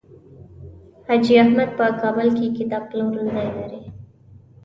حاجي احمد په کابل کې کتاب پلورنځی لري.